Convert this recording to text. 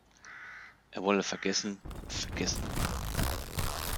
Er wolle „vergessen, vergessen“.